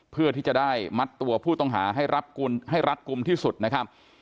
เพื่อที่จะได้มัดตัวผู้ต้องหาให้รับให้รัดกลุ่มที่สุดนะครับ